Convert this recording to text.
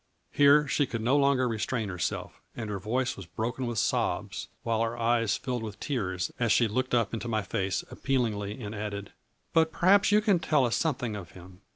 Here she could no longer restrain herself, and her voice was broken with sobs, while her eyes filled with tears, as she looked up into my face ap pealingly and added :" But perhaps you can tell us something of him.